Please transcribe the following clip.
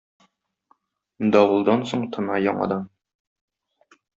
Давылдан соң тына яңадан.